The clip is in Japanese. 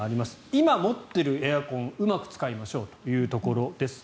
今持っているエアコンをうまく使いましょうというところです。